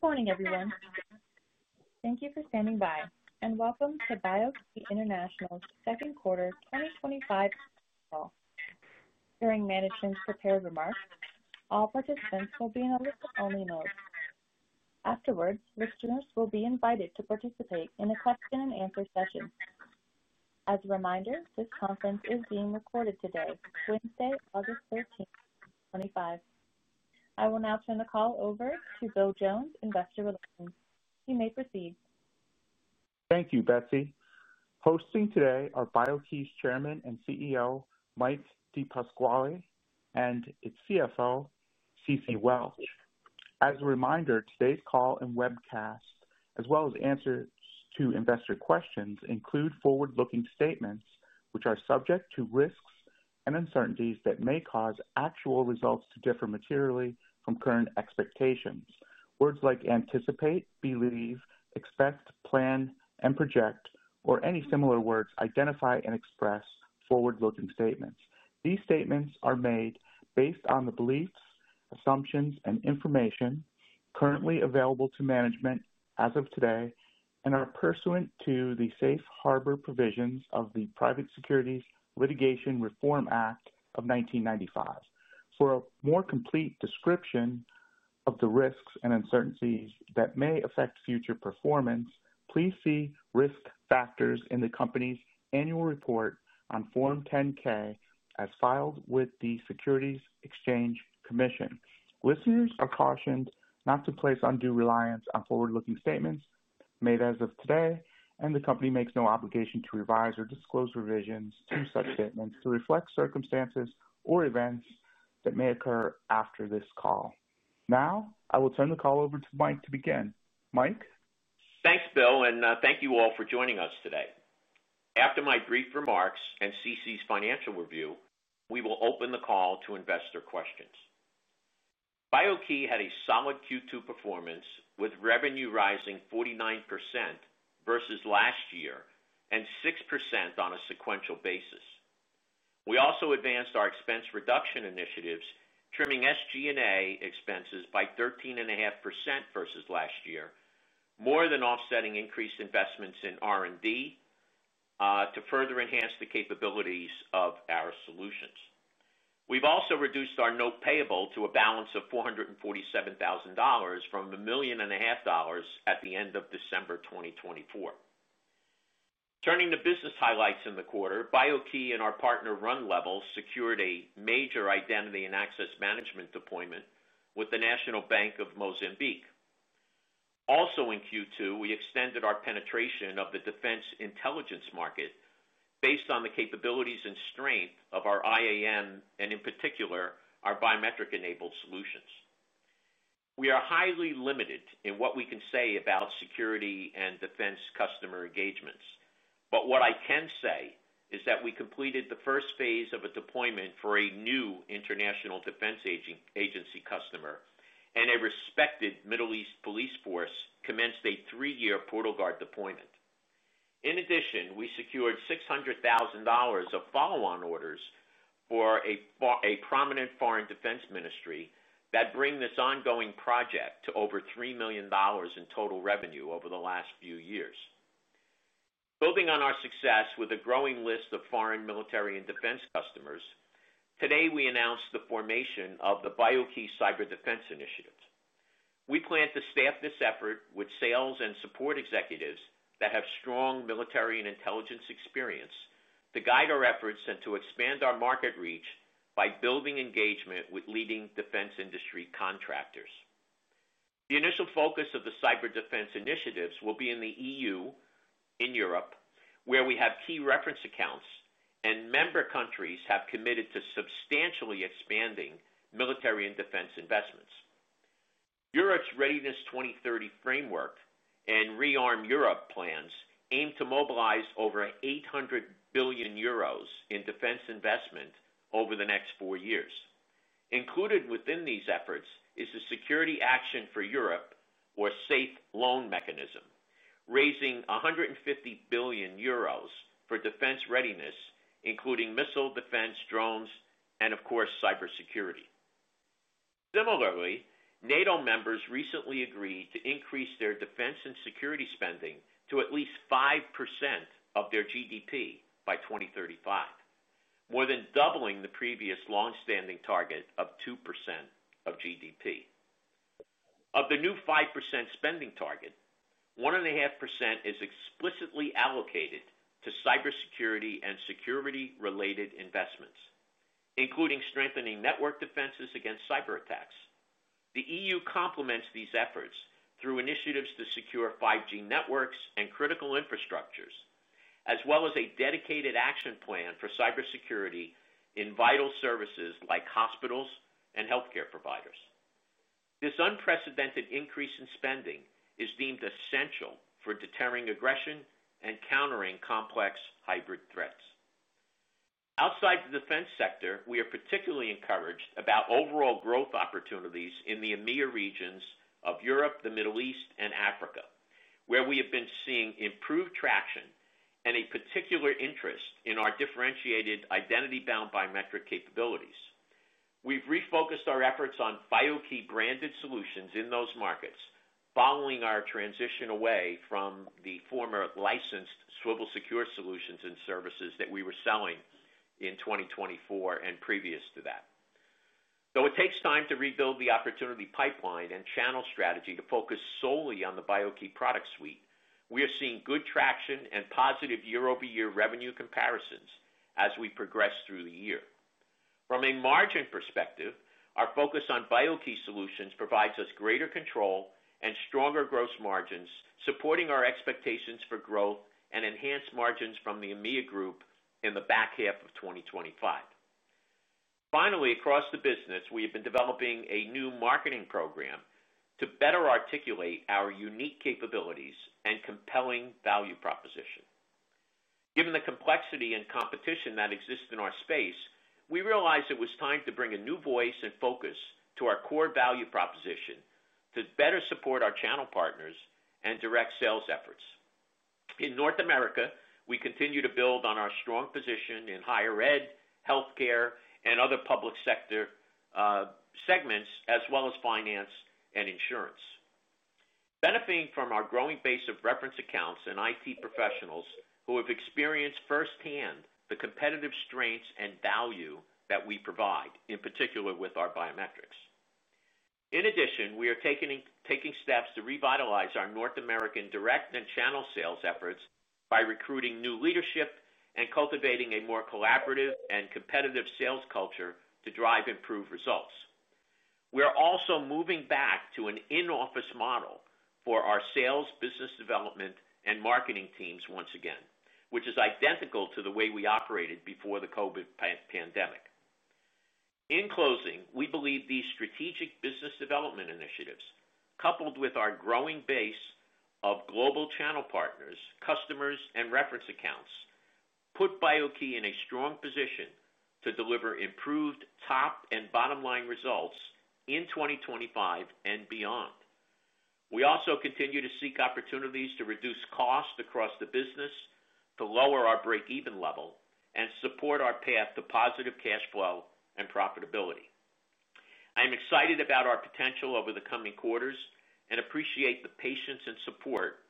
Good morning, everyone. Thank you for standing by and welcome to BIO-key International's Second Quarter 2025 Conference Call. During management's prepared remarks, all participants will be in a listen-only mode. Afterwards, listeners will be invited to participate in a question-and-answer session. As a reminder, this conference is being recorded today, Wednesday, August 13, 2025. I will now turn the call over to Bill Jones, Investor Relations. You may proceed. Thank you, Betsy. Hosting today are BIO-key's Chairman and CEO, Mike DePasquale, and its CFO, Ceci Welch. As a reminder, today's call and webcast, as well as answers to investor questions, include forward-looking statements, which are subject to risks and uncertainties that may cause actual results to differ materially from current expectations. Words like anticipate, believe, expect, plan, and project, or any similar words identify and express forward-looking statements. These statements are made based on the beliefs, assumptions, and information currently available to management as of today and are pursuant to the safe harbor provisions of the Private Securities Litigation Reform Act of 1995. For a more complete description of the risks and uncertainties that may affect future performance, please see risk factors in the company's annual report on Form 10-K as filed with the Securities Exchange Commission. Listeners are cautioned not to place undue reliance on forward-looking statements made as of today, and the company makes no obligation to revise or disclose revisions to such statements to reflect circumstances or events that may occur after this call. Now, I will turn the call over to Mike to begin. Mike. Thanks, Bill, and thank you all for joining us today. After my brief remarks and Ceci's financial review, we will open the call to investor questions. BIO-key had a solid Q2 performance, with revenue rising 49% versus last year and 6% on a sequential basis. We also advanced our expense reduction initiatives, trimming SG&A expenses by 13.5% versus last year, more than offsetting increased investments in R&D to further enhance the capabilities of our solutions. We've also reduced our note payable to a balance of $447,000 from $1.5 million at the end of December 2024. Turning to business highlights in the quarter, BIO-key and our partner RunLevel secured a major identity and access management deployment with the National Bank of Mozambique. Also in Q2, we extended our penetration of the defense intelligence market based on the capabilities and strength of our IAM and, in particular, our biometric-enabled solutions. We are highly limited in what we can say about security and defense customer engagements, but what I can say is that we completed the first phase of a deployment for a new international defense agency customer, and a respected Middle East police force commenced a three-year PortalGuard deployment. In addition, we secured $600,000 of follow-on orders for a prominent foreign defense ministry that bring this ongoing project to over $3 million in total revenue over the last few years. Building on our success with a growing list of foreign military and defense customers, today we announced the formation of the BIO-key cyber defense initiatives. We plan to staff this effort with sales and support executives that have strong military and intelligence experience to guide our efforts and to expand our market reach by building engagement with leading defense industry contractors. The initial focus of the cyber defense initiatives will be in the EU, in Europe, where we have key reference accounts and member countries have committed to substantially expanding military and defense investments. Europe's Readiness 2030 framework and ReArm Europe plans aim to mobilize over 800 billion euros in defense investment over the next four years. Included within these efforts is the Security Action for Europe, or SAFE, loan mechanism, raising 150 billion euros for defense readiness, including missile defense, drones, and, of course, cybersecurity. Similarly, NATO members recently agreed to increase their defense and security spending to at least 5% of their GDP by 2035, more than doubling the previous longstanding target of 2% of GDP. Of the new 5% spending target, 1.5% is explicitly allocated to cybersecurity and security-related investments, including strengthening network defenses against cyber attacks. The EU complements these efforts through initiatives to secure 5G networks and critical infrastructures, as well as a dedicated action plan for cybersecurity in vital services like hospitals and healthcare providers. This unprecedented increase in spending is deemed essential for deterring aggression and countering complex hybrid threats. Outside the defense sector, we are particularly encouraged about overall growth opportunities in the EMEA regions of Europe, the Middle East, and Africa, where we have been seeing improved traction and a particular interest in our differentiated identity-bound biometric capabilities. We've refocused our efforts on BIO-key branded solutions in those markets, following our transition away from the former licensed Swivel Secure solutions and services that we were selling in 2024 and previous to that. Though it takes time to rebuild the opportunity pipeline and channel strategy to focus solely on the BIO-key product suite, we are seeing good traction and positive year-over-year revenue comparisons as we progress through the year. From a margin perspective, our focus on BIO-key solutions provides us greater control and stronger gross margins, supporting our expectations for growth and enhanced margins from the EMEA group in the back half of 2025. Finally, across the business, we have been developing a new marketing program to better articulate our unique capabilities and compelling value proposition. Given the complexity and competition that exist in our space, we realized it was time to bring a new voice and focus to our core value proposition to better support our channel partners and direct sales efforts. In North America, we continue to build on our strong position in higher ed, healthcare, and other public sector segments, as well as finance and insurance, benefiting from our growing base of reference accounts and IT professionals who have experienced firsthand the competitive strengths and value that we provide, in particular with our biometrics. In addition, we are taking steps to revitalize our North American direct and channel sales efforts by recruiting new leadership and cultivating a more collaborative and competitive sales culture to drive improved results. We're also moving back to an in-office model for our sales, business development, and marketing teams once again, which is identical to the way we operated before the COVID pandemic. In closing, we believe these strategic business development initiatives, coupled with our growing base of global channel partners, customers, and reference accounts, put BIO-key in a strong position to deliver improved top and bottom-line results in 2025 and beyond. We also continue to seek opportunities to reduce costs across the business, to lower our break-even level, and support our path to positive cash flow and profitability. I'm excited about our potential over the coming quarters and appreciate the patience and support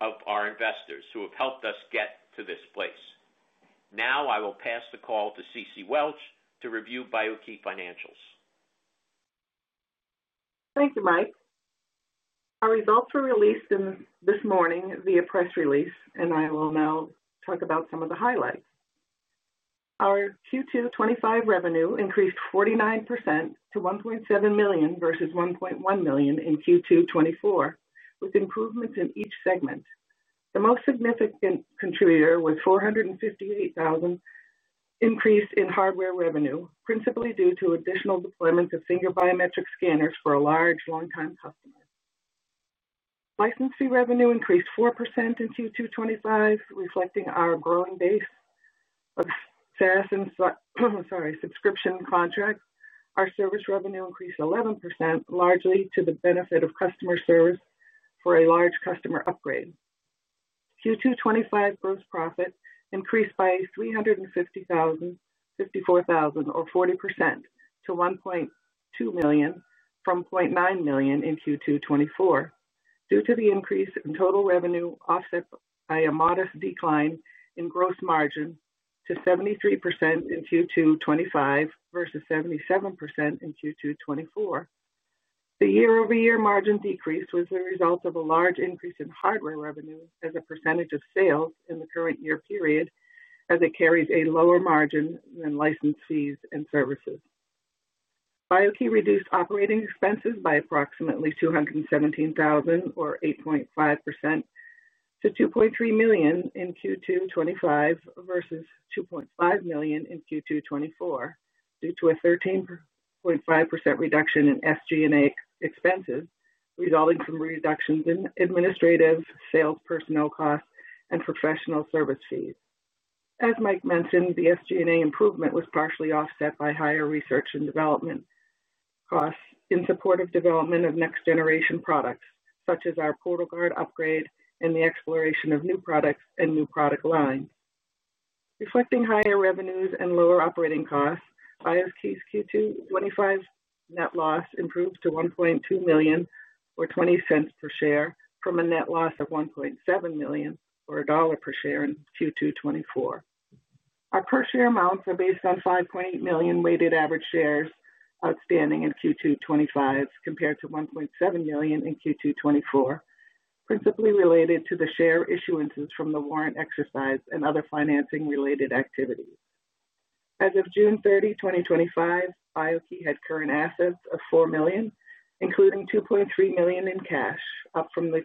of our investors who have helped us get to this place. Now, I will pass the call to Ceci Welch to review BIO-key financials. Thank you, Mike. Our results were released this morning via press release, and I will now talk about some of the highlights. Our Q2 2025 revenue increased 49% to $1.7 million versus $1.1 million in Q2 2024, with improvements in each segment. The most significant contributor was a $458,000 increase in hardware revenue, principally due to additional deployments of finger biometric scanners for a large long-time customer. License fee revenue increased 4% in Q2 2025, reflecting our growing base of SaaS and, sorry, subscription contracts. Our service revenue increased 11%, largely to the benefit of customer service for a large customer upgrade. Q2 2025 gross profit increased by $354,000, or 40%, to $1.2 million from $0.9 million in Q2 2024 due to the increase in total revenue, offset by a modest decline in gross margin to 73% in Q2 2025 versus 77% in Q2 2024. The year-over-year margin decrease was the result of a large increase in hardware revenue as a percentage of sales in the current year period, as it carries a lower margin than license fees and services. BIO-key International reduced operating expenses by approximately $217,000, or 8.5%, to $2.3 million in Q2 2025 versus $2.5 million in Q2 2024, due to a 13.5% reduction in SG&A expenses resulting from reductions in administrative, sales, personnel costs, and professional service fees. As Mike mentioned, the SG&A improvement was partially offset by higher research and development costs in support of development of next-generation products, such as our PortalGuard upgrade and the exploration of new products and new product lines. Reflecting higher revenues and lower operating costs, BIO-key International's Q2 2025 net loss improved to $1.2 million, or $0.20 per share, from a net loss of $1.7 million, or $1.00 per share in Q2 2024. Our per share amounts are based on $5.8 million weighted average shares outstanding in Q2 2025 compared to $1.7 million in Q2 2024, principally related to the share issuances from the warrant exercise and other financing-related activities. As of June 30, 2025, BIO-key International had current assets of $4 million, including $2.3 million in cash, up from the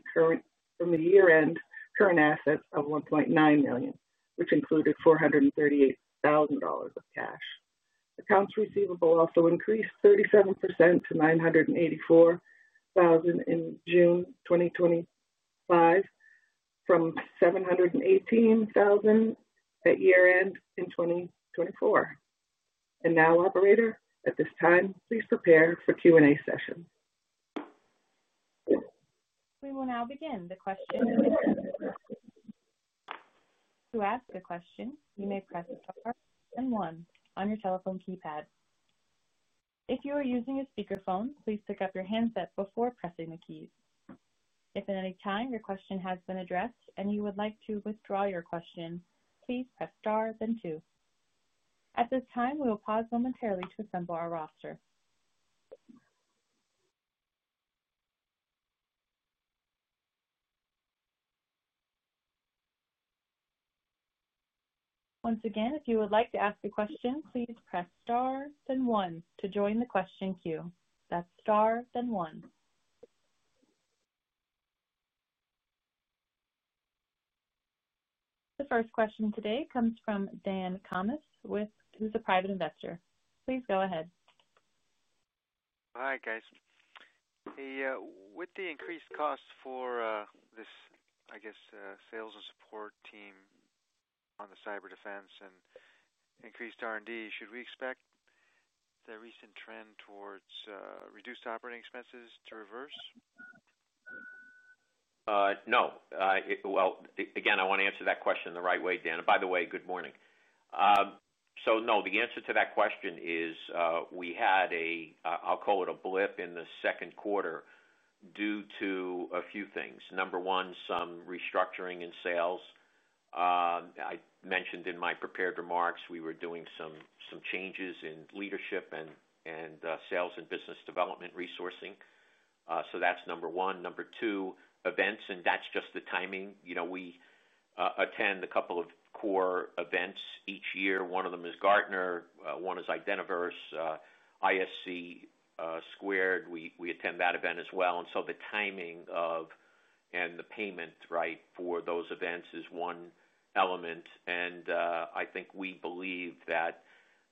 year-end current assets of $1.9 million, which included $438,000 of cash. Accounts receivable also increased 37% to $984,000 in June 2025, from $718,000 at year-end in 2024. Operator, at this time, please prepare for Q&A session. We will now begin the question and answer. To ask a question, you may press star and one on your telephone keypad. If you are using a speakerphone, please pick up your handset before pressing the keys. If at any time your question has been addressed and you would like to withdraw your question, please press star, then two. At this time, we will pause momentarily to assemble our roster. Once again, if you would like to ask a question, please press star, then one to join the question queue. That's star, then one. The first question today comes from Dan Thomas, who's a private investor. Please go ahead. Hi, guys. With the increased costs for this, I guess, sales and support team on the cyber defense and increased R&D, should we expect the recent trend towards reduced operating expenses to reverse? No. I want to answer that question the right way, Dan. By the way, good morning. No, the answer to that question is we had a, I'll call it a blip in the second quarter due to a few things. Number one, some restructuring in sales. I mentioned in my prepared remarks we were doing some changes in leadership and sales and business development resourcing. That's number one. Number two, events, and that's just the timing. You know, we attend a couple of core events each year. One of them is Gartner, one is Identiverse, ISC2. We attend that event as well. The timing of and the payment for those events is one element. I think we believe that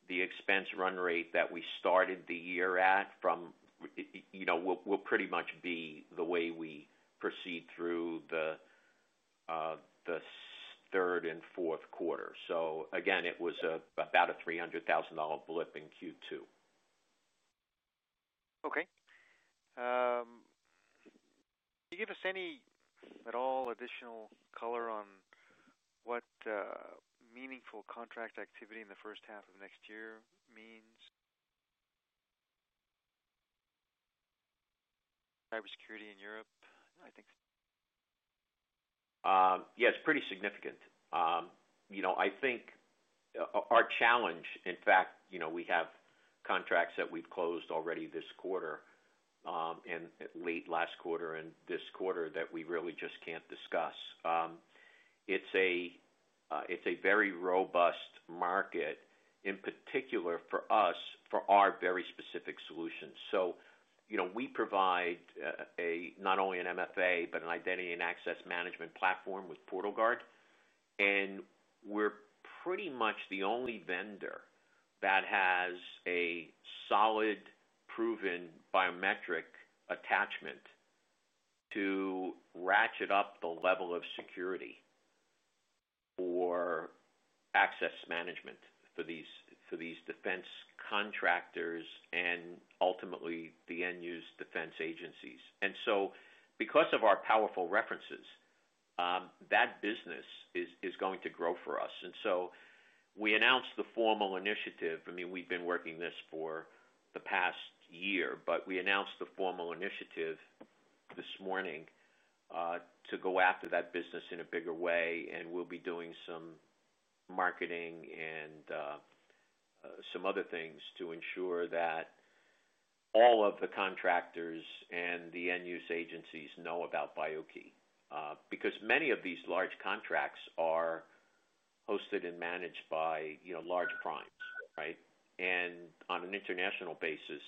the expense run rate that we started the year at will pretty much be the way we proceed through the third and fourth quarter. It was about a $300,000 blip in Q2. Okay. Can you give us any at all additional color on what meaningful contract activity in the first half of next year means? Cybersecurity in Europe, I think. Yeah, it's pretty significant. I think our challenge, in fact, we have contracts that we've closed already this quarter and late last quarter and this quarter that we really just can't discuss. It's a very robust market, in particular for us, for our very specific solutions. We provide not only an MFA, but an identity and access management platform with PortalGuard. We're pretty much the only vendor that has a solid, proven biometric attachment to ratchet up the level of security for access management for these defense contractors and ultimately the end-use defense agencies. Because of our powerful references, that business is going to grow for us. We announced the formal initiative. We've been working this for the past year, but we announced the formal initiative this morning to go after that business in a bigger way. We'll be doing some marketing and some other things to ensure that all of the contractors and the end-use agencies know about BIO-key because many of these large contracts are hosted and managed by large primes, right? On an international basis,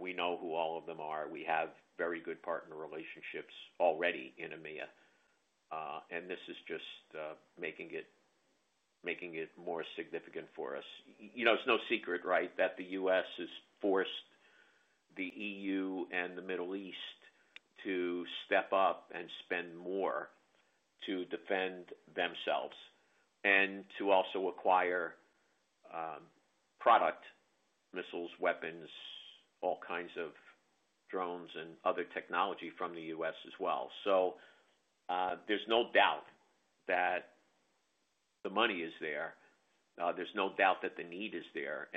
we know who all of them are. We have very good partner relationships already in EMEA. This is just making it more significant for us. It's no secret that the U.S. has forced the EU and the Middle East to step up and spend more to defend themselves and to also acquire product missiles, weapons, all kinds of drones, and other technology from the U.S. as well. There's no doubt that the money is there. There's no doubt that the need is there.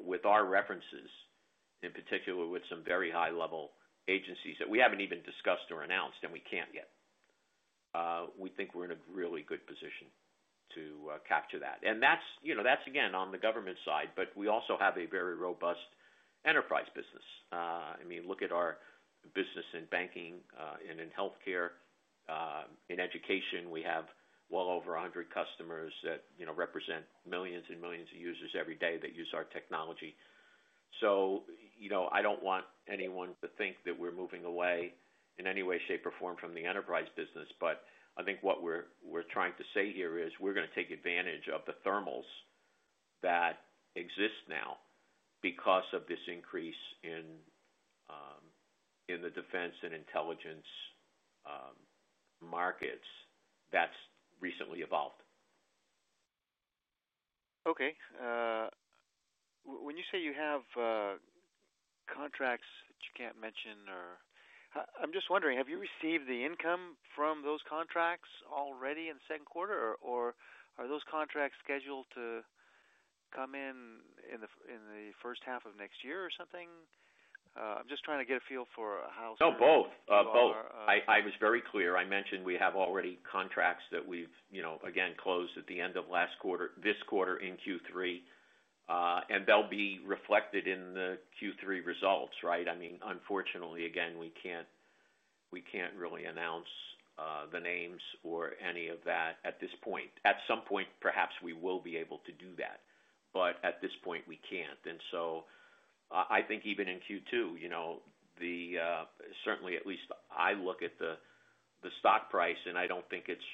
With our references, in particular with some very high-level agencies that we haven't even discussed or announced, and we can't yet, we think we're in a really good position to capture that. That's again on the government side, but we also have a very robust enterprise business. I mean, look at our business in banking and in healthcare. In education, we have well over 100 customers that represent millions and millions of users every day that use our technology. I don't want anyone to think that we're moving away in any way, shape, or form from the enterprise business. I think what we're trying to say here is we're going to take advantage of the thermals that exist now because of this increase in the defense and intelligence markets that's recently evolved. Okay. When you say you have contracts that you can't mention, I'm just wondering, have you received the income from those contracts already in the second quarter, or are those contracts scheduled to come in in the first half of next year or something? I'm just trying to get a feel for how. No, both. I was very clear. I mentioned we have already contracts that we've closed at the end of last quarter, this quarter in Q3. They'll be reflected in the Q3 results, right? Unfortunately, we can't really announce the names or any of that at this point. At some point, perhaps we will be able to do that. At this point, we can't. I think even in Q2, at least I look at the stock price, and I don't think it's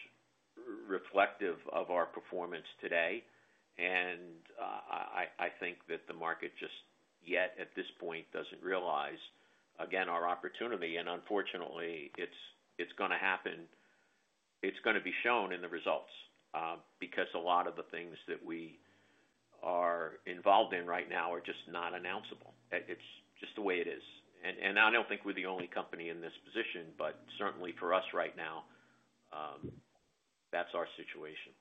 reflective of our performance today. I think that the market just yet at this point doesn't realize our opportunity. Unfortunately, it's going to happen. It's going to be shown in the results because a lot of the things that we are involved in right now are just not announceable. It's just the way it is. I don't think we're the only company in this position, but certainly for us right now, that's our situation.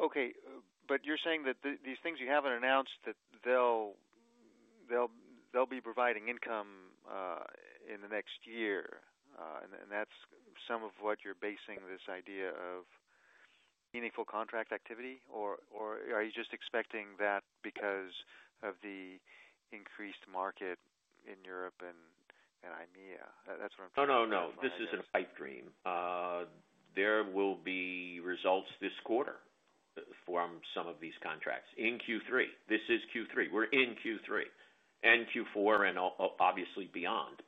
Okay. You're saying that these things you haven't announced, that they'll be providing income in the next year. That's some of what you're basing this idea of meaningful contract activity, or are you just expecting that because of the increased market in Europe and EMEA? That's what I'm trying to. This isn't a pipe dream. There will be results this quarter from some of these contracts in Q3. This is Q3. We're in Q3 and Q4 and obviously beyond.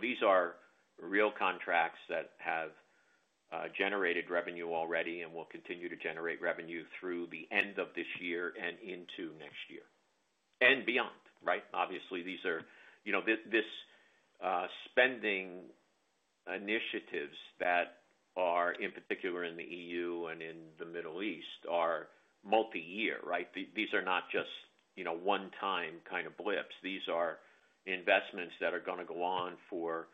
These are real contracts that have generated revenue already and will continue to generate revenue through the end of this year and into next year and beyond, right? Obviously, these spending initiatives that are, in particular in the EU and in the Middle East, are multi-year, right? These are not just one-time kind of blips. These are investments that are going to go on for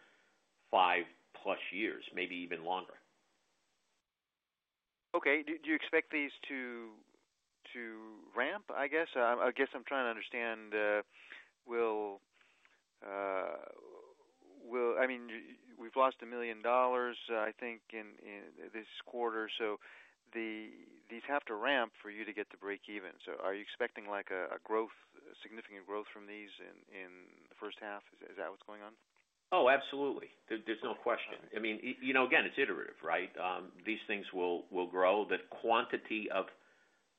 five-plus years, maybe even longer. Okay. Do you expect these to ramp? I'm trying to understand, will, I mean, we've lost $1 million, I think, in this quarter. These have to ramp for you to get to break even. Are you expecting significant growth from these in the first half? Is that what's going on? Oh, absolutely. There's no question. I mean, it's iterative, right? These things will grow. The quantity of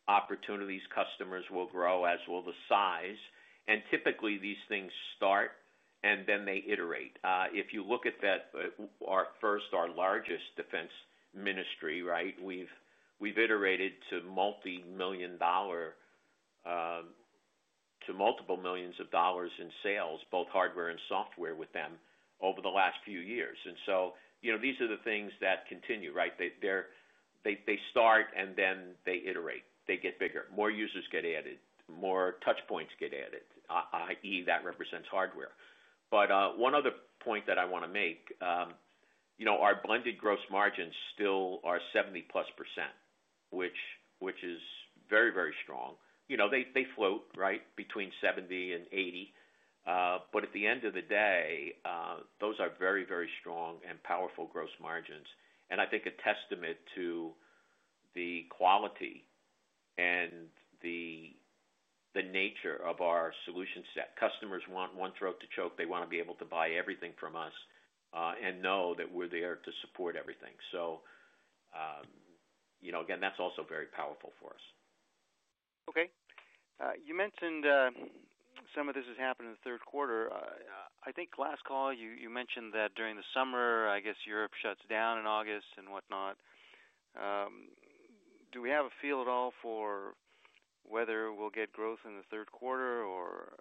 opportunities, customers will grow, as will the size. Typically, these things start and then they iterate. If you look at that, our first, our largest defense ministry, we've iterated to multi-million dollar, to multiple millions of dollars in sales, both hardware and software with them over the last few years. These are the things that continue, right? They start and then they iterate. They get bigger. More users get added. More touchpoints get added, i.e., that represents hardware. One other point that I want to make, our blended gross margins still are 70%, which is very, very strong. They float, right, between 70% and 80%. At the end of the day, those are very, very strong and powerful gross margins. I think a testament to the quality and the nature of our solution set. Customers want one throat to choke. They want to be able to buy everything from us and know that we're there to support everything. Again, that's also very powerful for us. Okay. You mentioned some of this has happened in the third quarter. I think last call, you mentioned that during the summer, I guess Europe shuts down in August and whatnot. Do we have a feel at all for whether we'll get growth in the third quarter or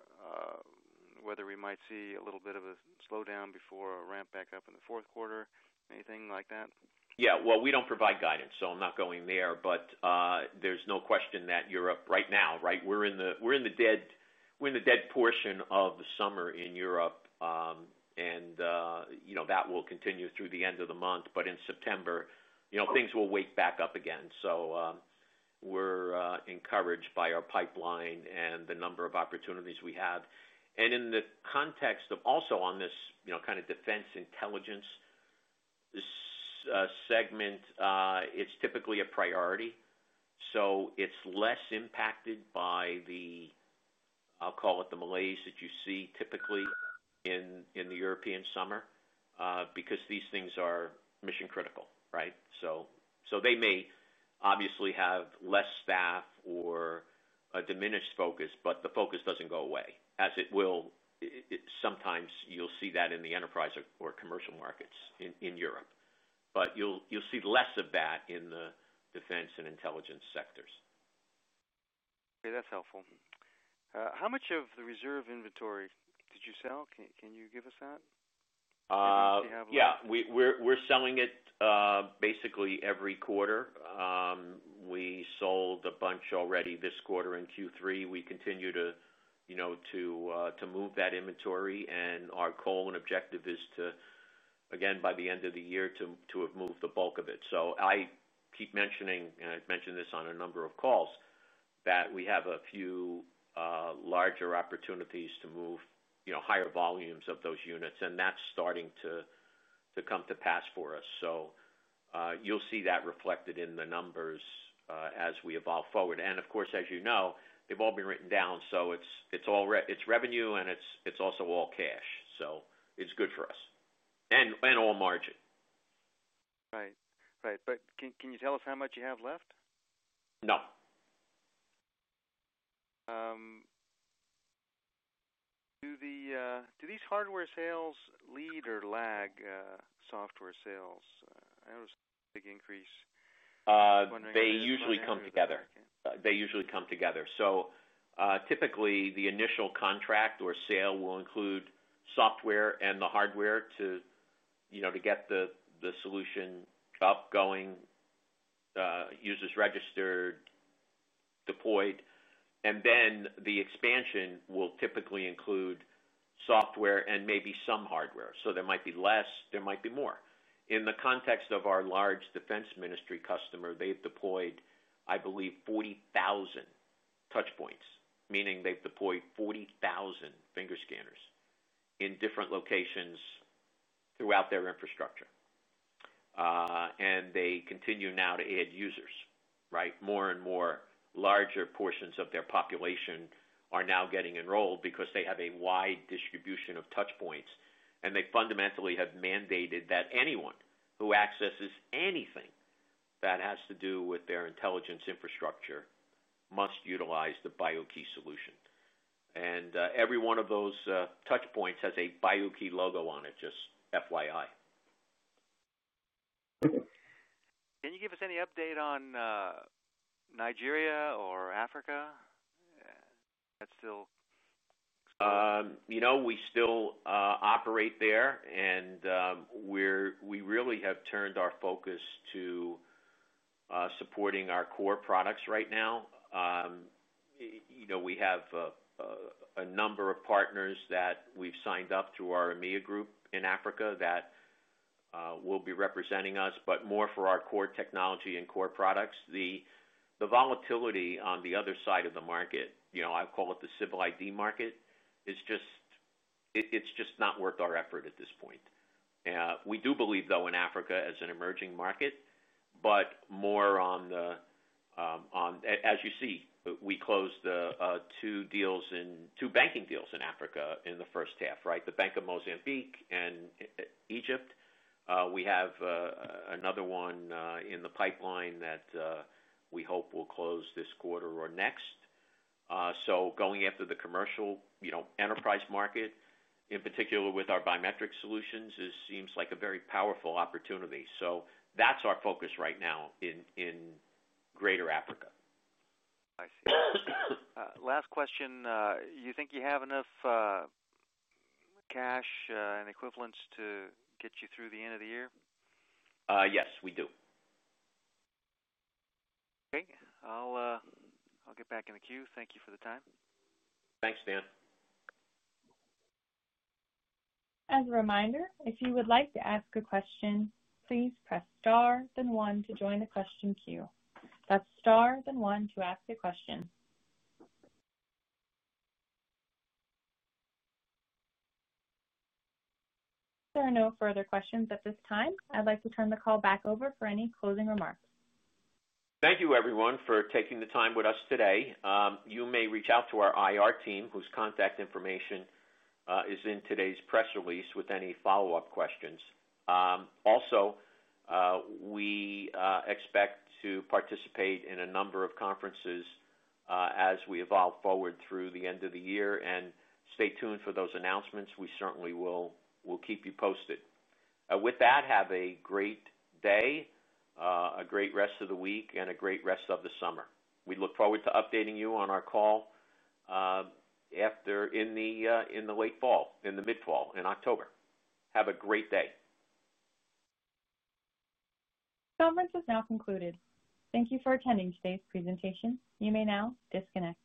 whether we might see a little bit of a slowdown before a ramp back up in the fourth quarter? Anything like that? Yeah. We don't provide guidance, so I'm not going there, but there's no question that Europe right now, right? We're in the dead portion of the summer in Europe, and that will continue through the end of the month. In September, things will wake back up again. We're encouraged by our pipeline and the number of opportunities we have. In the context of also on this, you know, kind of defense intelligence segment, it's typically a priority. It's less impacted by the, I'll call it the malaise that you see typically in the European summer because these things are mission-critical, right? They may obviously have less staff or a diminished focus, but the focus doesn't go away, as sometimes you'll see that in the enterprise or commercial markets in Europe. You'll see less of that in the defense and intelligence sectors. Okay, that's helpful. How much of the reserve inventory did you sell? Can you give us that? Yeah. We're selling it basically every quarter. We sold a bunch already this quarter in Q3. We continue to move that inventory. Our goal and objective is to, again, by the end of the year, have moved the bulk of it. I keep mentioning, and I've mentioned this on a number of calls, that we have a few larger opportunities to move higher volumes of those units. That's starting to come to pass for us. You'll see that reflected in the numbers as we evolve forward. Of course, as you know, they've all been written down. It's revenue and it's also all cash. It's good for us and all margin. Right. Right. Can you tell us how much you have left? No. Do these hardware sales lead or lag software sales? I noticed a big increase. They usually come together. They usually come together. Typically, the initial contract or sale will include software and the hardware to, you know, to get the solution up going, users registered, deployed. The expansion will typically include software and maybe some hardware. There might be less, there might be more. In the context of our large defense ministry customer, they've deployed, I believe, 40,000 touchpoints, meaning they've deployed 40,000 finger scanners in different locations throughout their infrastructure. They continue now to add users, right? More and more larger portions of their population are now getting enrolled because they have a wide distribution of touchpoints. They fundamentally have mandated that anyone who accesses anything that has to do with their intelligence infrastructure must utilize the BIO-key solution. Every one of those touchpoints has a BIO-key logo on it, just FYI. Can you give us any update on Nigeria or Africa? That's still. You know, we still operate there, and we really have turned our focus to supporting our core products right now. We have a number of partners that we've signed up to our EMEA group in Africa that will be representing us, but more for our core technology and core products. The volatility on the other side of the market, I call it the civil ID market, is just not worth our effort at this point. We do believe, though, in Africa as an emerging market, but more on the, as you see, we closed two deals, two banking deals in Africa in the first half, right? The National Bank of Mozambique and Egypt. We have another one in the pipeline that we hope will close this quarter or next. Going after the commercial enterprise market, in particular with our biometric-enabled solutions, seems like a very powerful opportunity. That's our focus right now in greater Africa. I see. Last question. You think you have enough cash and equivalents to get you through the end of the year? Yes, we do. Okay, I'll get back in the queue. Thank you for the time. Thanks, Dan. As a reminder, if you would like to ask a question, please press star, then one to join the question queue. That's star, then one to ask a question. If there are no further questions at this time, I'd like to turn the call back over for any closing remarks. Thank you, everyone, for taking the time with us today. You may reach out to our IR team, whose contact information is in today's press release, with any follow-up questions. We expect to participate in a number of conferences as we evolve forward through the end of the year. Stay tuned for those announcements. We certainly will keep you posted. With that, have a great day, a great rest of the week, and a great rest of the summer. We look forward to updating you on our call in the late fall, in the mid-fall, in October. Have a great day. Conference is now concluded. Thank you for attending today's presentation. You may now disconnect.